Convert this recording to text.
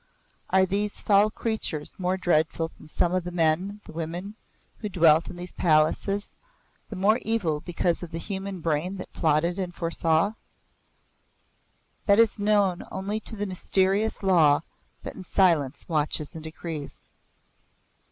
Are these foul creatures more dreadful than some of the men, the women, who dwelt in these palaces the more evil because of the human brain that plotted and foresaw? That is known only to the mysterious Law that in silence watches and decrees.